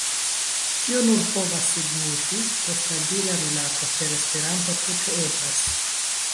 Tio nur povas signifi, ke stabila rilato per Esperanto tute eblas.